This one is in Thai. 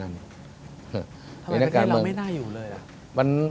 ทำไมประเทศเราไม่น่าอยู่เลยอ่ะ